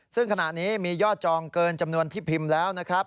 ซึ่งขณะนี้มียอดจองเกินจำนวนที่พิมพ์แล้วนะครับ